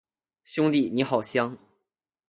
兄弟，你好香